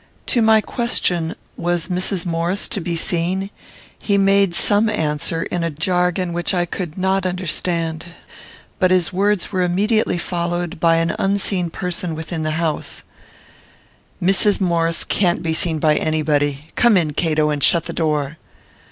To my question, Was Mrs. Maurice to be seen? he made some answer, in a jargon which I could not understand; but his words were immediately followed by an unseen person within the house: "Mrs. Maurice can't be seen by anybody. Come in, Cato, and shut the door."